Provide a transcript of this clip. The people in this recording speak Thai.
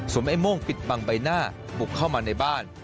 ไอ้โม่งปิดบังใบหน้าบุกเข้ามาในบ้าน